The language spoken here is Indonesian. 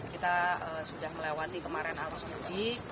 kita sudah melewati kemarin arus mudik